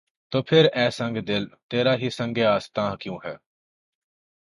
تو پھر‘ اے سنگ دل! تیرا ہی سنگِ آستاں کیوں ہو؟